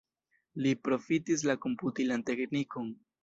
Li profitis la komputilan teknikon.